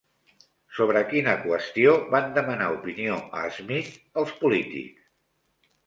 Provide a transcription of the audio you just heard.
Sobre quina qüestió van demanar opinió a Smith els polítics?